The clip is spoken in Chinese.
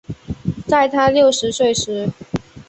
在她六十岁时